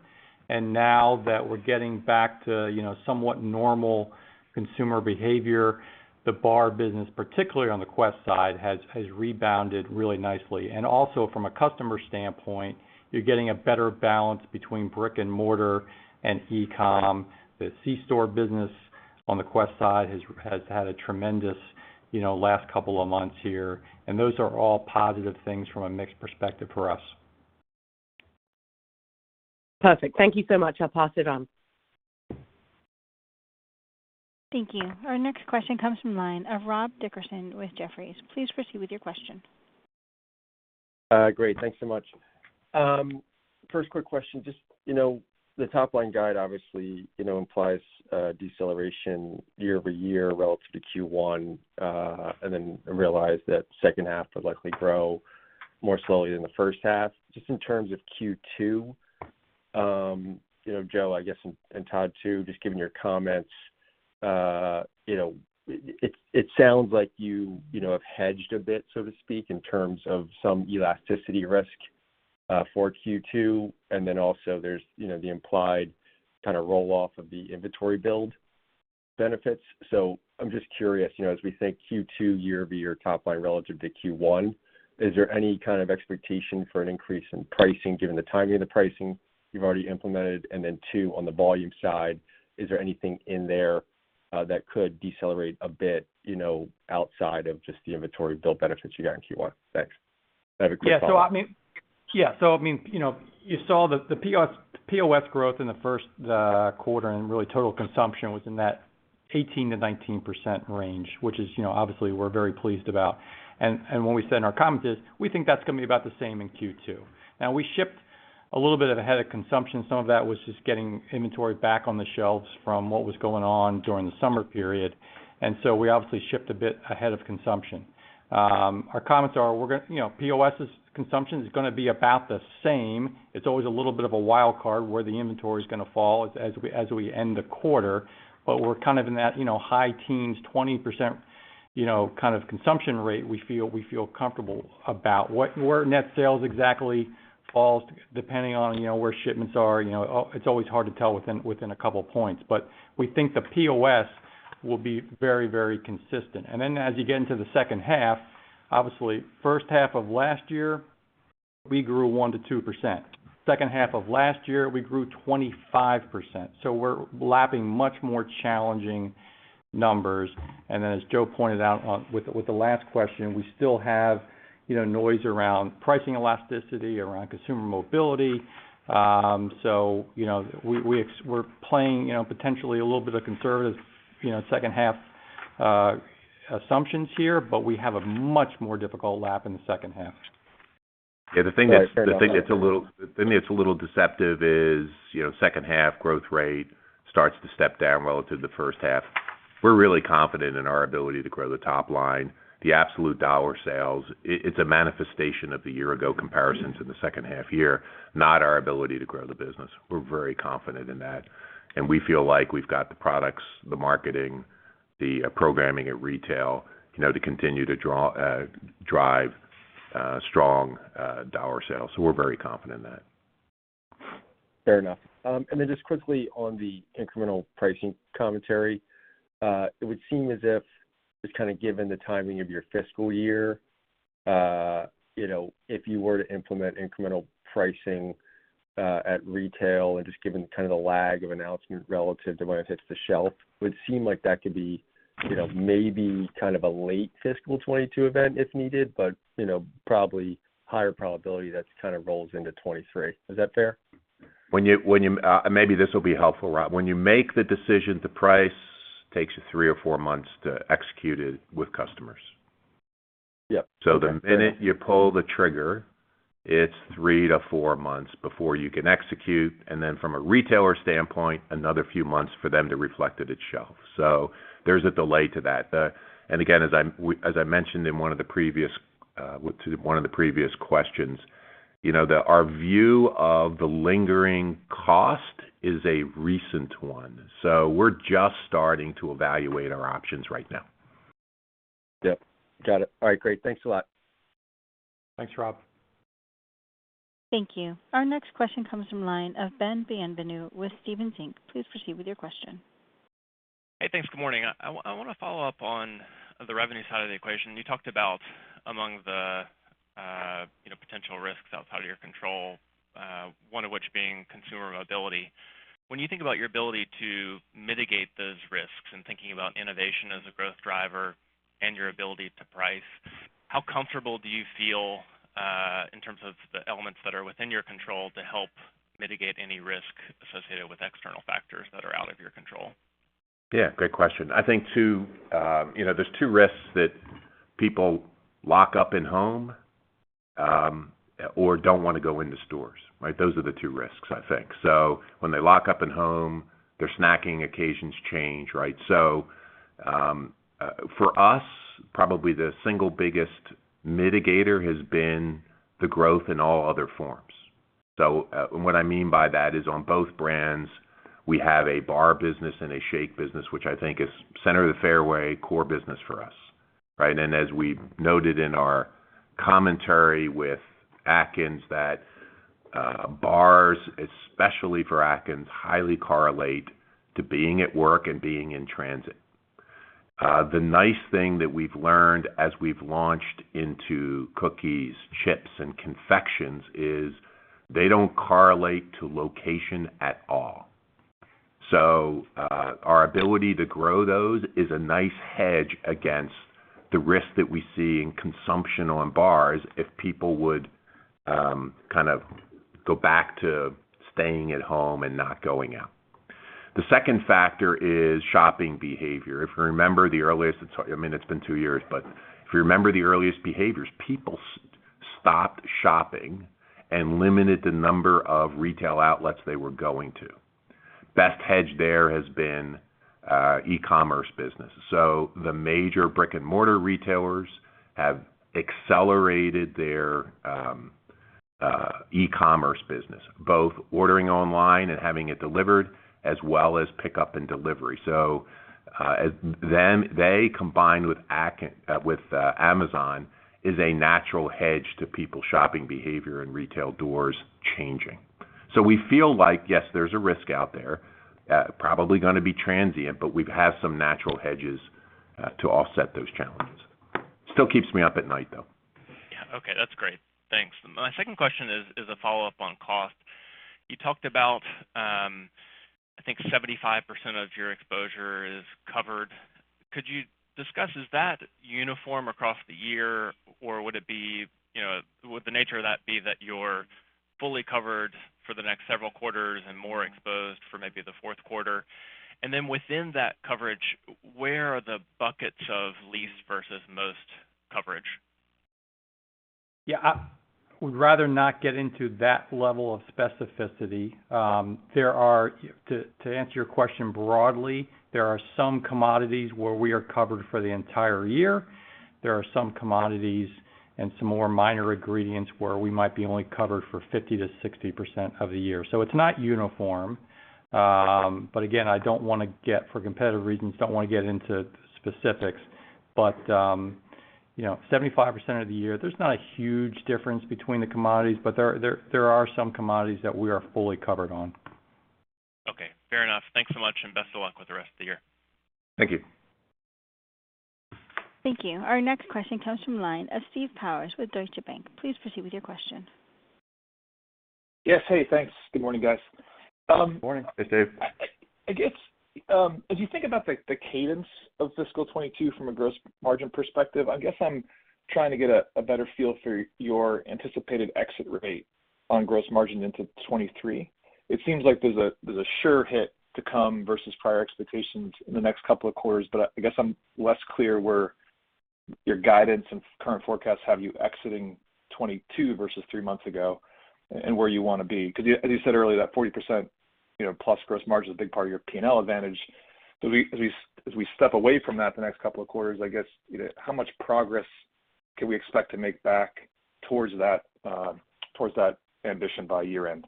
Now that we're getting back to, you know, somewhat normal consumer behavior, the bar business, particularly on the Quest side, has rebounded really nicely. Also from a customer standpoint, you're getting a better balance between brick and mortar and e-com. The C store business on the Quest side has had a tremendous, you know, last couple of months here, and those are all positive things from a mix perspective for us. Perfect. Thank you so much. I'll pass it on. Thank you. Our next question comes from the line of Rob Dickerson with Jefferies. Please proceed with your question. Great. Thanks so much. First quick question. Just, you know, the top-line guide obviously, you know, implies deceleration year-over-year relative to Q1, and then I realize that H2 will likely grow more slowly than the H1. Just in terms of Q2, you know, Joe, I guess, and Todd too, just given your comments, you know, it sounds like you know, have hedged a bit, so to speak, in terms of some elasticity risk for Q2. Then also there's, you know, the implied kind of roll-off of the inventory build benefits. I'm just curious, you know, as we think Q2 year-over-year top-line relative to Q1, is there any kind of expectation for an increase in pricing given the timing of the pricing you've already implemented? Two, on the volume side, is there anything in there? That could decelerate a bit, you know, outside of just the inventory build benefits you got in Q1. Thanks. I have a quick follow-up. Yeah. So I mean, you know, you saw the POS growth in the Q1 and really total consumption was in that 18%-19% range, which is, you know, obviously we're very pleased about. What we said in our comments is, we think that's gonna be about the same in Q2. Now, we shipped a little bit ahead of consumption. Some of that was just getting inventory back on the shelves from what was going on during the summer period. We obviously shipped a bit ahead of consumption. Our comments are we're gonna, you know, POS consumption is gonna be about the same. It's always a little bit of a wild card where the inventory is gonna fall as we end the quarter. We're kind of in that, you know, high teens, 20%, you know, kind of consumption rate we feel comfortable about. Where net sales exactly falls depending on, you know, where shipments are, you know, it's always hard to tell within a couple points. We think the POS will be very, very consistent. As you get into the H2, obviously, H1 of last year, we grew 1%-2%. H2 of last year, we grew 25%. We're lapping much more challenging numbers. As Joe pointed out with the last question, we still have, you know, noise around pricing elasticity, around consumer mobility. You know, we're playing, you know, potentially a little bit of conservative, you know, H2 assumptions here, but we have a much more difficult lap in the H2. Yeah. The thing that's a little deceptive is, you know, H2 growth rate starts to step down relative to the H1. We're really confident in our ability to grow the top line, the absolute dollar sales. It's a manifestation of the year ago comparisons in the H2 year, not our ability to grow the business. We're very confident in that. We feel like we've got the products, the marketing, the programming at retail, you know, to continue to drive strong dollar sales. We're very confident in that. Fair enough. Just quickly on the incremental pricing commentary, it would seem as if just kinda given the timing of your fiscal year, you know, if you were to implement incremental pricing at retail and just given kind of the lag of announcement relative to when it hits the shelf, it would seem like that could be, you know, maybe kind of a late fiscal 2022 event if needed, but, you know, probably higher probability that kind of rolls into 2023. Is that fair? Maybe this will be helpful, Rob. When you make the decision to price, takes you three or four months to execute it with customers. Yep. Fair enough. The minute you pull the trigger, it's three-four months before you can execute, and then from a retailer standpoint, another few months for them to reflect it at shelf. There's a delay to that. Again, as I mentioned in one of the previous questions, you know, our view of the lingering cost is a recent one. We're just starting to evaluate our options right now. Yep. Got it. All right, great. Thanks a lot. Thanks, Rob. Thank you. Our next question comes from the line of Ben Bienvenu with Stephens Inc. Please proceed with your question. Hey, thanks. Good morning. I wanna follow up on the revenue side of the equation. You talked about among the, you know, potential risks outside of your control, one of which being consumer mobility. When you think about your ability to mitigate those risks and thinking about innovation as a growth driver and your ability to price, how comfortable do you feel in terms of the elements that are within your control to help mitigate any risk associated with external factors that are out of your control? Yeah, great question. I think two. You know, there's two risks that people lockdown at home or don't wanna go into stores, right? Those are the two risks, I think. When they lockdown at home, their snacking occasions change, right? For us, probably the single biggest mitigator has been the growth in all other forms. What I mean by that is on both brands, we have a bar business and a shake business, which I think is center of the fairway core business for us, right? And as we noted in our commentary with Atkins that, bars, especially for Atkins, highly correlate to being at work and being in transit. The nice thing that we've learned as we've launched into cookies, chips, and confections is they don't correlate to location at all. Our ability to grow those is a nice hedge against the risk that we see in consumption on bars if people would kind of go back to staying at home and not going out. The second factor is shopping behavior. If you remember the earliest, it's been two years, but if you remember the earliest behaviors, people stopped shopping and limited the number of retail outlets they were going to. Best hedge there has been e-commerce business. The major brick-and-mortar retailers have accelerated their e-commerce business, both ordering online and having it delivered, as well as pickup and delivery. They combined with Amazon with Amazon is a natural hedge to people shopping behavior and retail doors changing. We feel like, yes, there's a risk out there, probably gonna be transient, but we've had some natural hedges, to offset those challenges. Still keeps me up at night, though. Okay, that's great. Thanks. My second question is a follow-up on cost. You talked about, I think 75% of your exposure is covered. Could you discuss, is that uniform across the year, or would it be, you know, would the nature of that be that you're fully covered for the next several quarters and more exposed for maybe the Q4? And then within that coverage, where are the buckets of least versus most coverage? Yeah. I would rather not get into that level of specificity. To answer your question broadly, there are some commodities where we are covered for the entire year. There are some commodities and some more minor ingredients where we might be only covered for 50%-60% of the year. It's not uniform. But again, for competitive reasons, I don't wanna get into specifics. You know, 75% of the year, there's not a huge difference between the commodities, but there are some commodities that we are fully covered on. Okay, fair enough. Thanks so much, and best of luck with the rest of the year. Thank you. Thank you. Our next question comes from the line of Steve Powers with Deutsche Bank. Please proceed with your question. Yes. Hey, thanks. Good morning, guys. Good morning. Hey, Steve. I guess as you think about the cadence of fiscal 2022 from a gross margin perspective, I guess I'm trying to get a better feel for your anticipated exit rate on gross margin into 2023. It seems like there's a sure hit to come versus prior expectations in the next couple of quarters, but I guess I'm less clear where your guidance and current forecasts have you exiting 2022 versus three months ago and where you wanna be. 'Cause you as you said earlier, that 40%, you know, plus gross margin is a big part of your P&L advantage. As we step away from that the next couple of quarters, I guess, you know, how much progress can we expect to make back towards that ambition by year-end?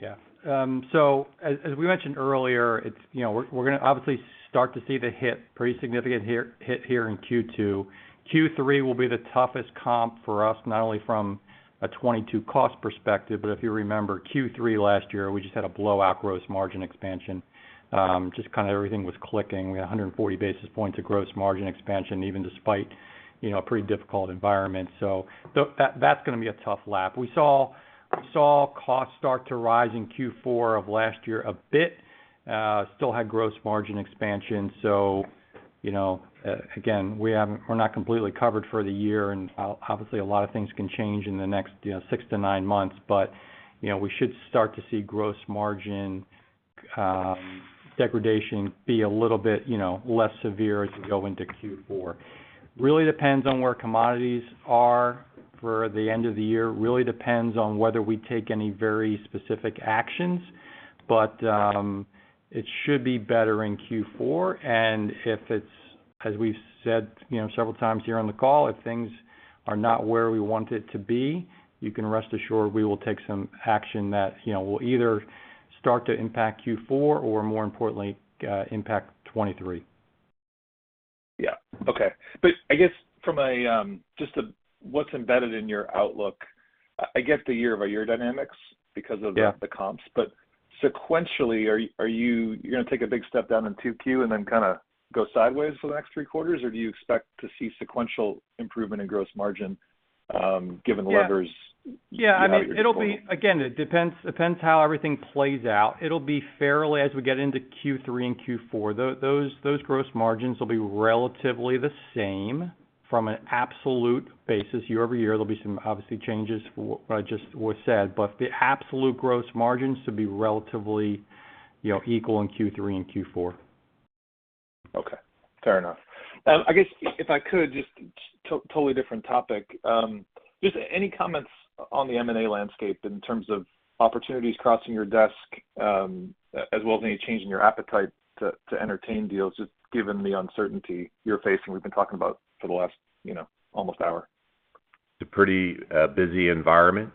Yeah, as we mentioned earlier, it's, you know, we're gonna obviously start to see the pretty significant hit here in Q2. Q3 will be the toughest comp for us, not only from a 2022 cost perspective, but if you remember Q3 last year, we just had a blow-out gross margin expansion. Just kinda everything was clicking. We had 140 basis points of gross margin expansion, even despite, you know, a pretty difficult environment. That's gonna be a tough lap. We saw costs start to rise in Q4 of last year a bit, still had gross margin expansion. You know, again, we're not completely covered for the year, and obviously, a lot of things can change in the next, you know, six to nine months. You know, we should start to see gross margin degradation be a little bit, you know, less severe as we go into Q4. Really depends on where commodities are for the end of the year, really depends on whether we take any very specific actions. It should be better in Q4. If it's, as we've said, you know, several times here on the call, if things are not where we want it to be, you can rest assured we will take some action that, you know, will either start to impact Q4 or, more importantly, impact 2023. Yeah. Okay. I guess from a, just a what's embedded in your outlook, I get the year-over-year dynamics because of- Yeah... the comps. Sequentially, are you gonna take a big step down in 2Q and then kinda go sideways for the next three quarters, or do you expect to see sequential improvement in gross margin, given the levers? Yeah. You have at your disposal. Yeah, I mean, again, it depends how everything plays out. It'll be fairly flat as we get into Q3 and Q4. Those gross margins will be relatively the same from an absolute basis year-over-year. There'll be some, obviously, changes for what I just said, but the absolute gross margins should be relatively, you know, equal in Q3 and Q4. Okay. Fair enough. I guess if I could, just totally different topic, just any comments on the M&A landscape in terms of opportunities crossing your desk, as well as any change in your appetite to entertain deals just given the uncertainty you're facing, we've been talking about for the last, you know, almost hour. It's a pretty busy environment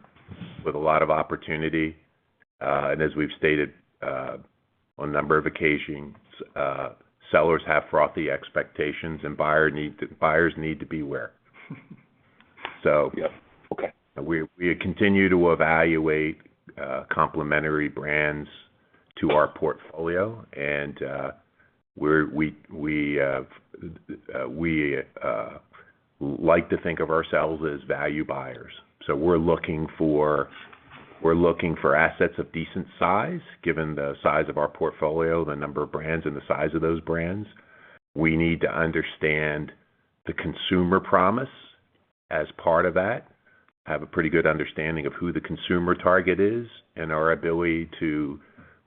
with a lot of opportunity. As we've stated on a number of occasions, sellers have frothy expectations and buyers need to beware. Yep. Okay We continue to evaluate complementary brands to our portfolio, and we like to think of ourselves as value buyers. We're looking for assets of decent size, given the size of our portfolio, the number of brands and the size of those brands. We need to understand the consumer promise as part of that, have a pretty good understanding of who the consumer target is and our ability to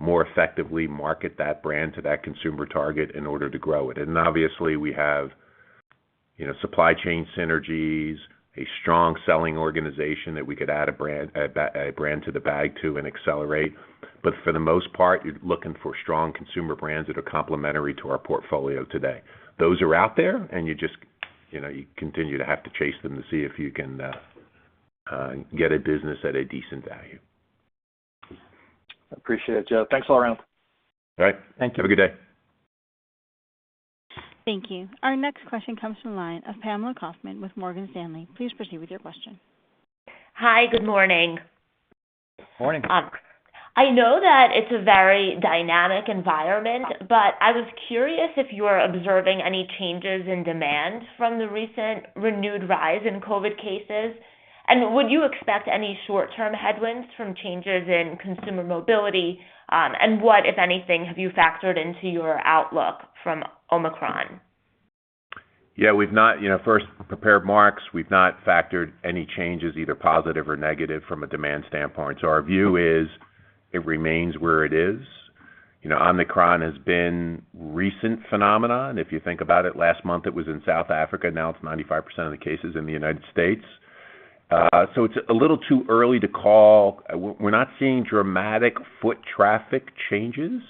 more effectively market that brand to that consumer target in order to grow it. Obviously, we have, you know, supply chain synergies, a strong selling organization that we could add a brand to the bag, too, and accelerate. For the most part, you're looking for strong consumer brands that are complementary to our portfolio today. Those are out there, and you just, you know, you continue to have to chase them to see if you can get a business at a decent value. Appreciate it, Joe. Thanks all around. All right. Thank you. Have a good day. Thank you. Our next question comes from the line of Pamela Kaufman with Morgan Stanley. Please proceed with your question. Hi. Good morning. Morning. I know that it's a very dynamic environment, but I was curious if you are observing any changes in demand from the recent renewed rise in COVID cases. Would you expect any short-term headwinds from changes in consumer mobility? What, if anything, have you factored into your outlook from Omicron? Yeah, we've not, you know, in the prepared remarks factored any changes, either positive or negative, from a demand standpoint. Our view is it remains where it is. You know, Omicron has been a recent phenomenon. If you think about it, last month it was in South Africa, now it's 95% of the cases in the United States. It's a little too early to call. We're not seeing dramatic foot traffic changes.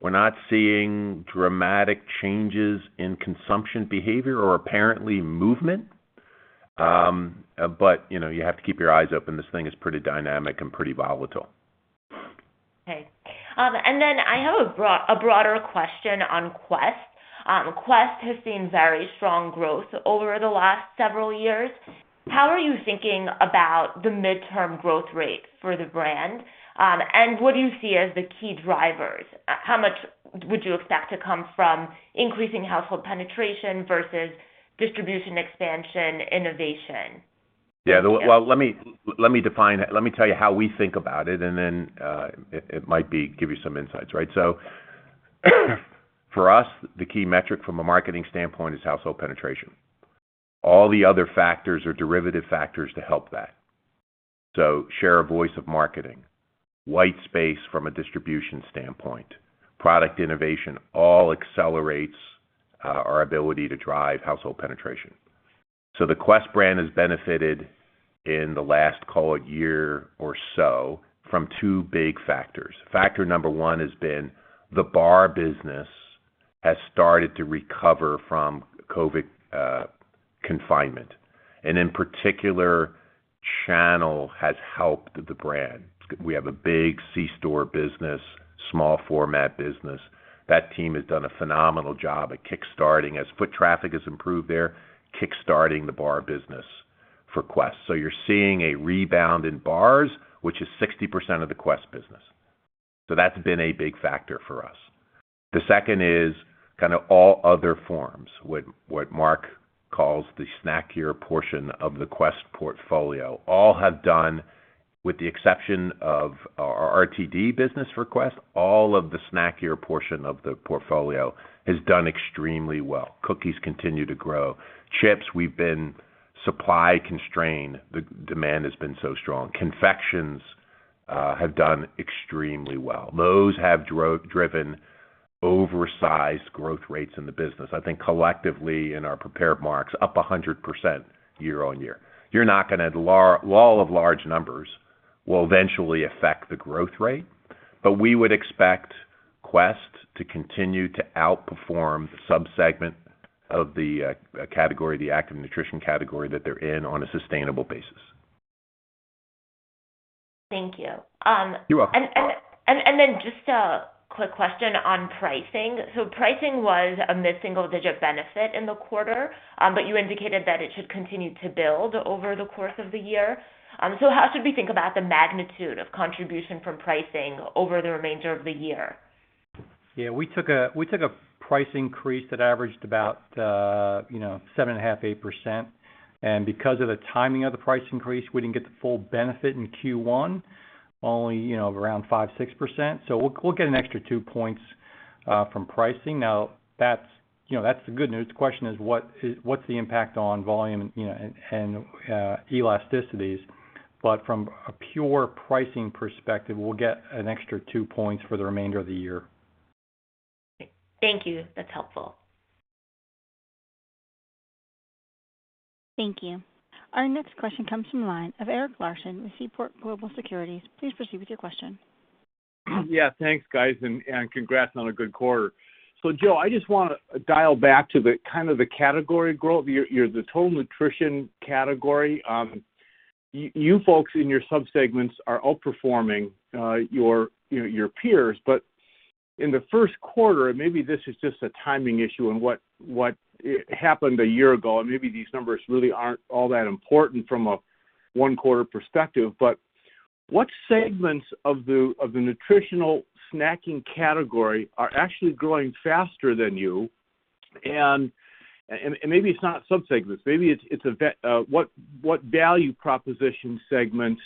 We're not seeing dramatic changes in consumption behavior or apparent movement. You know, you have to keep your eyes open. This thing is pretty dynamic and pretty volatile. Okay. I have a broader question on Quest. Quest has seen very strong growth over the last several years. How are you thinking about the midterm growth rate for the brand? What do you see as the key drivers? How much would you expect to come from increasing household penetration versus distribution expansion, innovation? Let me tell you how we think about it and then it might give you some insights, right? For us, the key metric from a marketing standpoint is household penetration. All the other factors are derivative factors to help that. Share of voice of marketing, white space from a distribution standpoint, product innovation, all accelerates our ability to drive household penetration. The Quest brand has benefited in the last, call it, year or so from two big factors. Factor number one has been the bar business has started to recover from COVID confinement. In particular, channel has helped the brand. We have a big C-store business, small format business. That team has done a phenomenal job at kickstarting the bar business for Quest as foot traffic has improved there. You're seeing a rebound in bars, which is 60% of the Quest business. That's been a big factor for us. The second is kind of all other forms, what Mark calls the snackier portion of the Quest portfolio. With the exception of our RTD business, Quest, all of the snackier portion of the portfolio has done extremely well. Cookies continue to grow. Chips, we've been supply constrained, the demand has been so strong. Confections have done extremely well. Those have driven oversized growth rates in the business. I think collectively in our prepared remarks, up 100% year-over-year. Law of large numbers will eventually affect the growth rate. We would expect Quest to continue to outperform the subsegment of the category, the active nutrition category that they're in on a sustainable basis. Thank you. You're welcome. Then just a quick question on pricing. Pricing was a mid-single digit benefit in the quarter, but you indicated that it should continue to build over the course of the year. How should we think about the magnitude of contribution from pricing over the remainder of the year? Yeah, we took a price increase that averaged about 7.5%-8%. Because of the timing of the price increase, we didn't get the full benefit in Q1, only around 5%-6%. We'll get an extra two points from pricing. That's the good news. The question is what is the impact on volume and elasticities. From a pure pricing perspective, we'll get an extra 2 points for the remainder of the year. Thank you. That's helpful. Thank you. Our next question comes from the line of Eric Larson with Seaport Global Securities. Please proceed with your question. Yeah, thanks, guys, and congrats on a good quarter. Joe, I just wanna dial back to the category growth. The total nutrition category. You folks in your subsegments are outperforming, you know, your peers. In the Q1, maybe this is just a timing issue and what happened a year ago, and maybe these numbers really aren't all that important from a one quarter perspective. What segments of the nutritional snacking category are actually growing faster than you? Maybe it's not subsegments, maybe it's what value proposition segments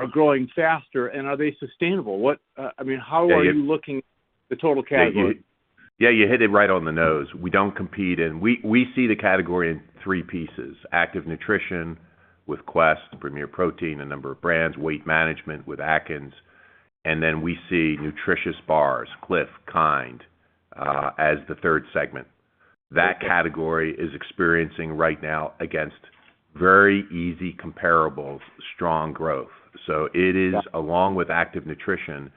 are growing faster and are they sustainable? I mean, how are you looking at the total category? Yeah, you hit it right on the nose. We don't compete and we see the category in three pieces: active nutrition with Quest, Premier Protein, a number of brands, weight management with Atkins, and then we see nutritious bars, CLIF, KIND, as the third segment. That category is experiencing right now against very easy comparables, strong growth. It is, along with active nutrition,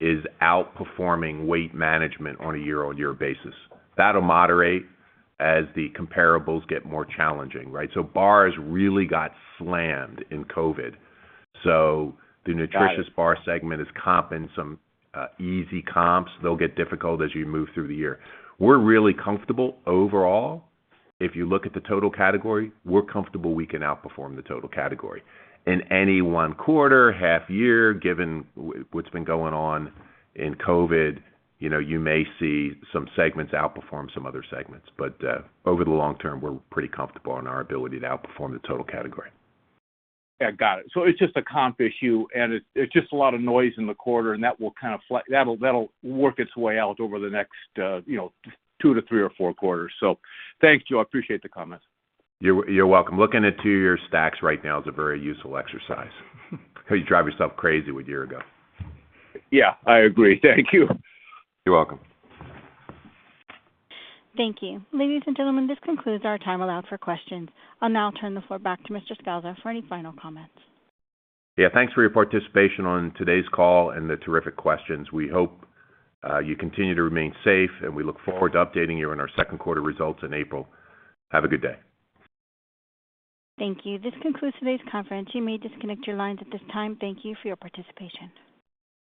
is outperforming weight management on a year-over-year basis. That'll moderate as the comparables get more challenging, right? Bars really got slammed in COVID. The nutritious bar segment is comping some, easy comps. They'll get difficult as you move through the year. We're really comfortable overall. If you look at the total category, we're comfortable we can outperform the total category. In any one quarter, half year, given what's been going on in COVID, you know, you may see some segments outperform some other segments. Over the long term, we're pretty comfortable in our ability to outperform the total category. Yeah, got it. It's just a comp issue, and it's just a lot of noise in the quarter, and that will work its way out over the next, you know, two-three or four quarters. Thanks, Joe. I appreciate the comments. You're welcome. Looking at two-year stacks right now is a very useful exercise, 'cause you drive yourself crazy with year ago. Yeah, I agree. Thank you. You're welcome. Thank you. Ladies and gentlemen, this concludes our time allowed for questions. I'll now turn the floor back to Mr. Scalzo for any final comments. Yeah, thanks for your participation on today's call and the terrific questions. We hope you continue to remain safe, and we look forward to updating you on our Q2 results in April. Have a good day. Thank you. This concludes today's conference. You may disconnect your lines at this time. Thank you for your participation.